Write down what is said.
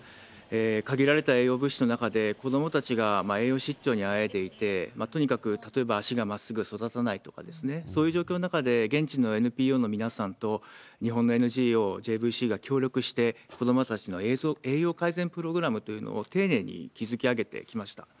限られた栄養物資の中で、子どもたちが栄養失調にあえいでいて、とにかく例えば足が真っすぐ育たないとか、そういう状況の中で、現地のＮＰＯの皆さんと日本のＮＧＯ、ＪＶＣが協力して、子どもたちの栄養改善プログラムというのを丁寧に築き上げてきました。